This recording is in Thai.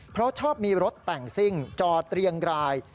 เพราะชอบมีรถแต่งซิ่งจอดเรียงราย